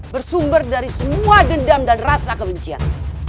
bersumber dari semua dendam dan rasa kebencian